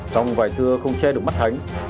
sau một vài thưa không che được mắt thánh